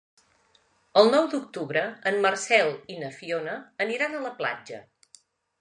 El nou d'octubre en Marcel i na Fiona aniran a la platja.